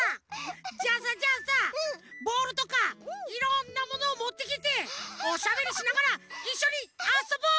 じゃあさじゃあさボールとかいろんなものをもってきておしゃべりしながらいっしょにあそぼう！